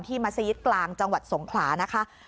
มัศยิตกลางจังหวัดสงขลานะคะ